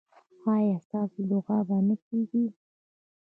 ایا ستاسو دعا به نه کیږي؟